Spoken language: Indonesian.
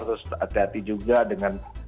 terus hati hati juga dengan